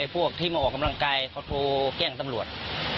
พวกที่มาออกกำลังกายเขาโทรแจ้งตำรวจ